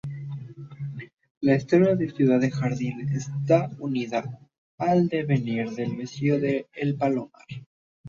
La historia de Ciudad Jardín está unida al devenir del vecino El Palomar.